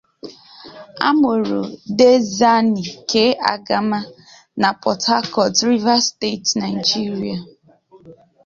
A mụrụ Diezani K. Agama na Port Harcourt, Rivers State, Nigeria.